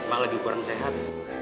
emak lagi ke warung sehat